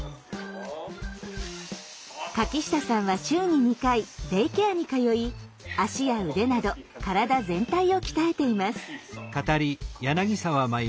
柿下さんは週に２回デイケアに通い足や腕など体全体を鍛えています。